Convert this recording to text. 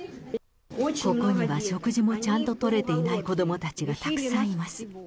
ここには食事もちゃんと取れていない子どもたちがたくさんいます。